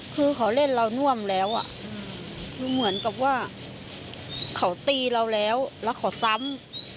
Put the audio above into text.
คือเขาเล่นเราน่วมแล้วคือเหมือนกับว่าเขาตีเราแล้วแล้วเขาซ้ำ